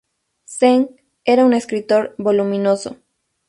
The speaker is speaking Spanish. Zeng era un escritor voluminoso.